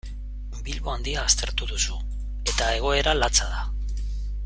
Bilbo Handia aztertu duzu eta egoera latza da.